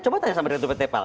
coba tanya sama direktur pt pal